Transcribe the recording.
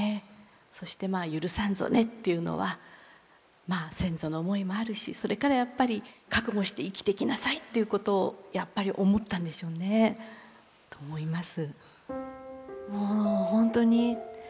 そしてまあ「許さんぞね」というのは先祖の思いもあるしそれからやっぱり覚悟して生きていきなさいということをやっぱり思ったんでしょうねと思います。